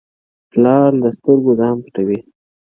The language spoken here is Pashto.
• پلار له سترګو ځان پټوي,